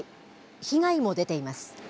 被害も出ています。